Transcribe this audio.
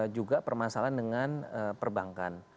juga permasalahan dengan perbankan